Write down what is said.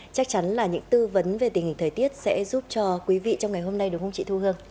chắc chắn là những tư vấn về tình hình thời tiết sẽ giúp cho quý vị trong ngày hôm nay đúng không chị thu hương